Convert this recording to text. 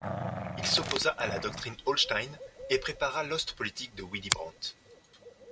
Il s'opposa à la Doctrine Hallstein et prépara l'Ostpolitik de Willy Brandt.